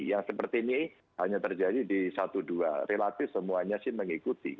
yang seperti ini hanya terjadi di satu dua relatif semuanya sih mengikuti